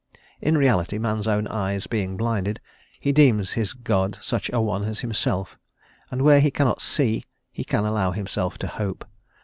In reality, man's own eyes being blinded, he deems his God such an one as himself, and where he cannot see, he can allow himself to hope.